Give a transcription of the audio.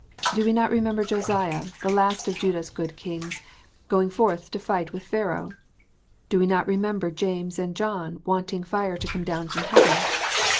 Do we not remember Josiah, the last of Judah s good kings, going forth to fight with Pharaoh? Do we not remember James and John wanting fire to come down from heaven